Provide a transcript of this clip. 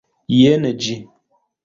Jen ĝi.